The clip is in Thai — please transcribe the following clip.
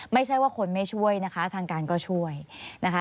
ไม่ใช่ว่าคนไม่ช่วยนะคะทางการก็ช่วยนะคะ